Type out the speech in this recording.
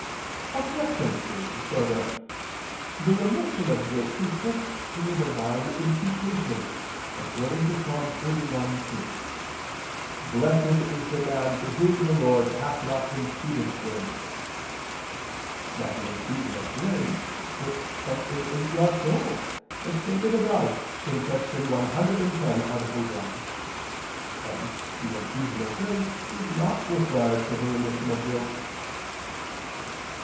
Obj. 2: Further, the remission of guilt consists in the Divine imputation, according to Ps. 31:2: "Blessed is the man to whom the Lord hath not imputed sin." Now the infusion of grace puts something into our soul, as stated above (Q. 110, A. 1). Hence the infusion of grace is not required for the remission of guilt.